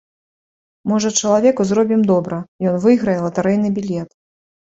Можа, чалавеку зробім добра, ён выйграе латарэйны білет!